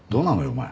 お前。